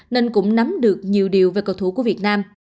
nên cũng nắm được nhiều điều về cầu thủ của việt nam